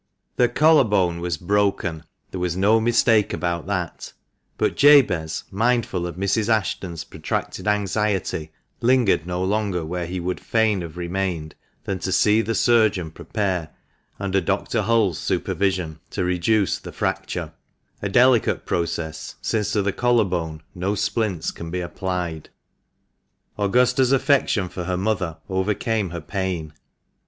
HE collar bone was broken ; there was no mistake about that ; but Jabez, mindful of Mrs. Ashton's protracted anxiety, lingered no longer where he would fain have remained than to see the surgeon prepare — under Dr. Hull's supervision — to reduce the fracture ; a delicate process, since to the collar bone no splints can be applied. Augusta's affection for her mother overcame her pain.